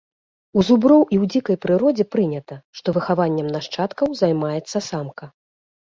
У зуброў і ў дзікай прыродзе прынята, што выхаваннем нашчадкаў займаецца самка.